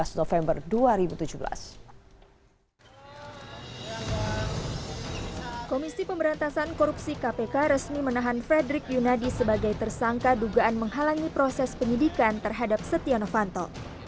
komisi pemberantasan korupsi kpk resmi menahan frederick yunadi sebagai tersangka dugaan menghalangi proses penyidikan terhadap setia novanto